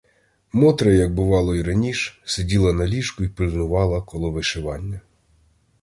Мотря, як бувало й раніш, сиділа на ліжку й пильнувала коло вишивання.